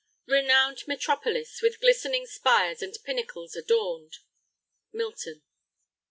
Renown'd metropolis, With glistening spires and pinnacles adorn'd. Milton.